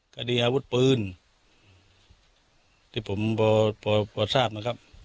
คดีอาวุธปืนที่ผมพอทราบนะครับ